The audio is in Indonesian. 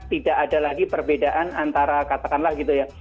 tidak ada lagi perbedaan antara katakanlah gitu ya